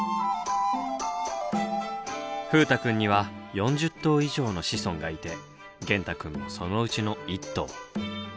風太くんには４０頭以上の子孫がいて源太くんもそのうちの１頭。